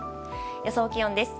予想気温です。